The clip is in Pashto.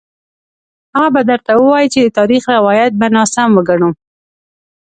هغه به درته ووايي چې د تاریخ روایت به ناسم وګڼو.